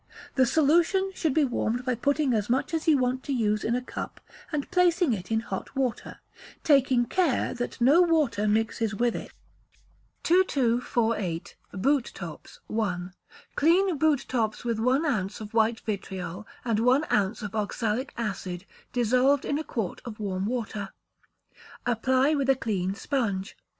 The solution should be warmed by putting as much as you want to use in a cup, and placing it in hot water, taking care that no water mixes with it. 2248. Boot Tops (1). Clean boot tops with one ounce of white vitriol, and one ounce of oxalic acid dissolved in a quart of warm water. Apply with a clean sponge.